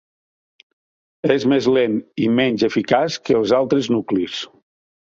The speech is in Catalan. És més lent i menys eficaç que els altres nuclis.